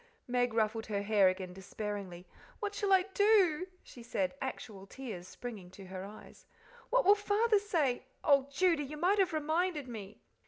Meg ruffled her hair again despairingly. "What shall I do?" she said, actual tears springing to her eyes. "What will Father say? Oh, Judy, you might have reminded me."